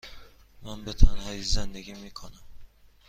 من به تنهایی زندگی می کنم.